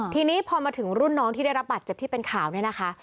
ทีนี้พอมาถึงรุ่นน้องที่ได้รับบาดเจ็บที่เป็นข่าวเนี่ยนะคะ